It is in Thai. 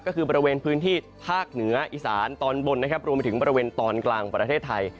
ก็คือบริเวณพื้นที่ภาคเหนืออีสานตอนบนนะครับรวมไปถึงบริเวณตอนกลางประเทศไทย